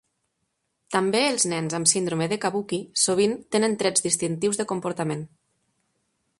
També els nens amb síndrome de Kabuki sovint tenen trets distintius de comportament.